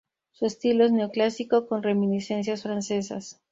Su estilo es neoclásico con reminiscencias francesas.